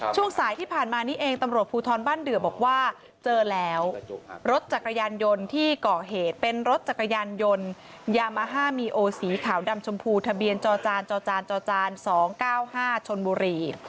ช่วงสายที่ผ่านมานี้เองตำรวจภูทรบ้านเดือบอกว่าเจอแล้วรถจักรยานยนต์ที่ก่อเหตุเป็นรถจักรยานยนต์ยามาฮ่ามีโอสีขาวดำชมพูทะเบียนจอจานจอจานจอจาน๒๙๕ชนบุรี